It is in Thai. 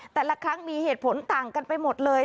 แต่ละครั้งมีเหตุผลต่างกันไปหมดเลย